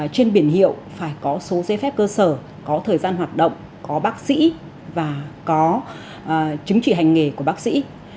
trên biển hiệu phải có số giấy phép cơ sở có thời gian hoạt động có bác sĩ và có chứng chỉ hành nghề của bác sĩ